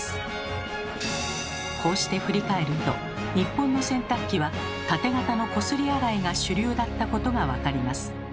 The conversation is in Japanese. こうして振り返ると日本の洗濯機はタテ型のこすり洗いが主流だったことが分かります。